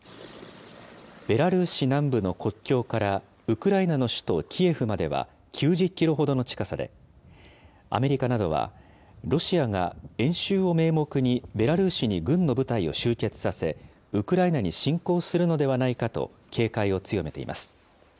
ベラルーシ南部の国境からウクライナの首都キエフまでは９０キロほどの近さで、アメリカなどはロシアが演習を名目にベラルーシに軍の部隊を集結させ、ウクライナに侵攻するのではないかと警戒を強めています。